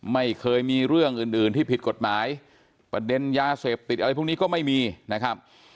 ไม่เคยมีเรื่องอื่นอื่นที่ผิดกฎหมายประเด็นยาเสพติดอะไรพวกนี้ก็ไม่มีนะครับ